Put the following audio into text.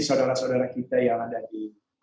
saudara saudara kita yang ada di